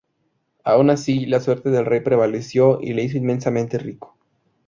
Aun así, la suerte del rey prevaleció y le hizo inmensamente rico.